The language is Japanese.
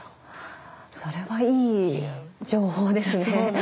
それはいい情報ですね。